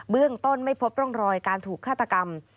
เรื่องต้นไม่พบร่องรอยการถูกฆาตกรรม